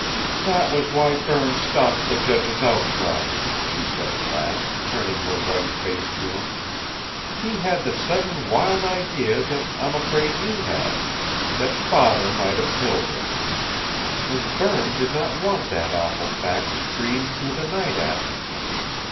"That was why Berne stopped the judge's outcry," she said at last, turning her white face to him; "he had the sudden wild idea that I'm afraid you have that father might have killed her. And Berne did not want that awful fact screamed through the night at me.